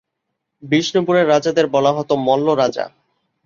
বিষ্ণুপুরের রাজাদের বলা হত মল্ল রাজা।